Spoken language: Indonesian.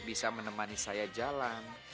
bisa menemani saya jalan